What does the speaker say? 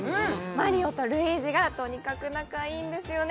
マリオとルイージがとにかく仲いいんですよね